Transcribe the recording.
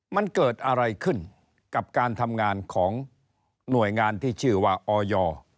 มันเกิดอะไรขึ้นกับการทำงานของหน่วยงานที่ชื่อว่าออย